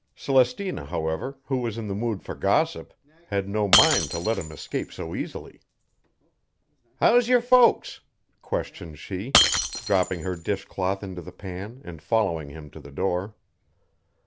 Celestina, however, who was in the mood for gossip, had no mind to let him escape so easily. "How's your folks?" questioned she, dropping her dishcloth into the pan and following him to the door.